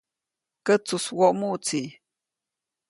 Kätsujswoʼmuʼtsi.